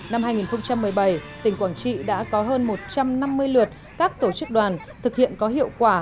năm hai nghìn một mươi bảy tỉnh quảng trị đã có hơn một trăm năm mươi lượt các tổ chức đoàn thực hiện có hiệu quả